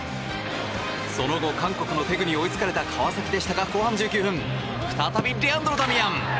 その後、韓国のテグに追いつかれた川崎でしたが後半１９分再びレアンドロ・ダミアン。